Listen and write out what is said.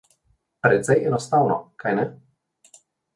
Precej enostavno, kajne?